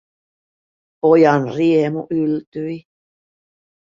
Pojan riemu yltyi.